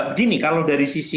begini kalau dari sisi